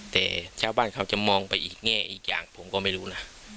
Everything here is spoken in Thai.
แต่ชาวบ้านเขาจะมองไปอีกแง่อีกอย่างผมก็ไม่รู้นะ